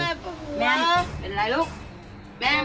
แม่แล้วอะไรลูก